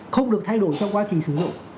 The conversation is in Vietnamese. không được thay đổi trong quá trình sử dụng